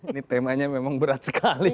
ini temanya memang berat sekali